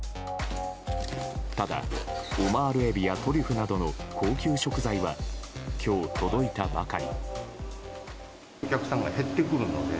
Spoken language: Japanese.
ただ、オマールエビやトリュフなどの高級食材は今日、届いたばかり。